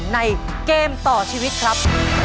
ในเกมต่อชีวิตครับ